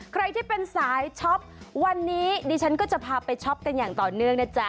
ใครที่เป็นสายช็อปวันนี้ดิฉันก็จะพาไปช็อปกันอย่างต่อเนื่องนะจ๊ะ